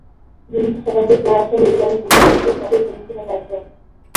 বিংশ শতাব্দীর প্রভাবশালী ইরানি বুদ্ধিজীবীদের মধ্যে তিনি ছিলেন একজন।